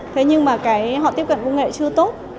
thế nhưng mà cái họ tiếp cận công nghệ chưa tốt